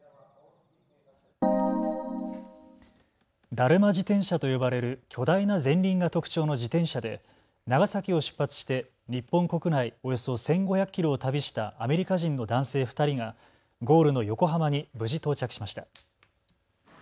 ダルマ自転車と呼ばれる巨大な前輪が特徴の自転車で長崎を出発して日本国内およそ１５００キロを旅したアメリカ人の男性２人がゴールの横浜に無事到着しました。